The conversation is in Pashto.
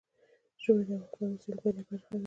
ژمی د افغانستان د سیلګرۍ برخه ده.